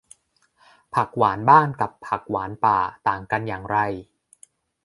ผักหวานบ้านกับผักหวานป่า ต่างกันอย่างไร